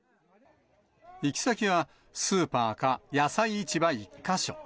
行き先はスーパーか野菜市場１か所。